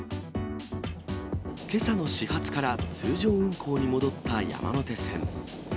けさの始発から通常運行に戻った山手線。